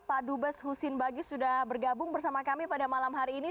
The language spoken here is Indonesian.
pak dubes husin bagis sudah bergabung bersama kami pada malam hari ini